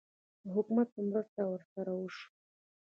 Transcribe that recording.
د حکومت مرسته ورسره وشوه؟